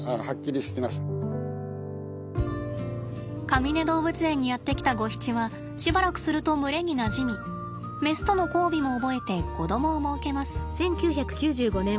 かみね動物園にやって来たゴヒチはしばらくすると群れになじみメスとの交尾も覚えて子供を設けます。